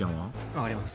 分かります。